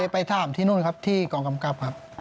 ไปถามที่นู่นครับที่กองกำกับครับ